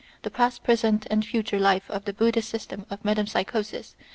19 The past, present, and future life, of the Buddhist system of metempsychosis.